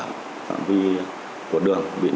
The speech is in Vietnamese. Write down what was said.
phản vi của đường bị núi